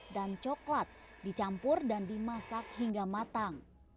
dan coklat dicampur dan dimasak hingga matang